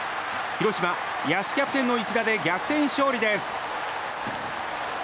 広島、野手キャプテンの一打で逆転勝利です。